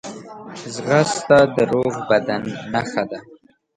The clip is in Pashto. ځغاسته د روغ بدن نښه ده